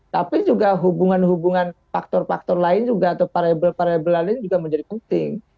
tapi juga hubungan hubungan faktor faktor lain juga atau parabel parabel lain juga menjadi penting